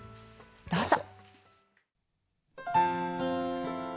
どうぞ。